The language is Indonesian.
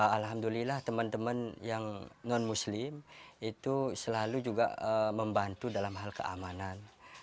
alhamdulillah teman teman yang non muslim itu selalu juga membantu dalam hal keamanan